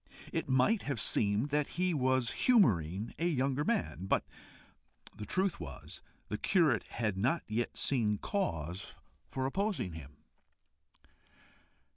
It might have seemed that he was humouring a younger man, but the truth was, the curate had not yet seen cause for opposing him.